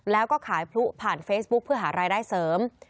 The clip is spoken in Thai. แล้วก็ขายพลุผ่านเฟซบุ๊คเพื่อหารายได้เสริม